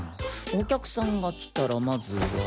お客さんが来たらまずは。